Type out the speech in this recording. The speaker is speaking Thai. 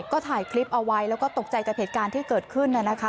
ก็ถ่ายคลิปเอาไว้แล้วก็ตกใจกับเหตุการณ์ที่เกิดขึ้น